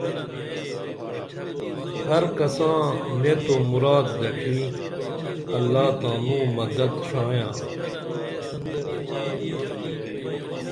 ہر کساں نیت او مراد دڇھی اللہ تانوں مدد ݜیاں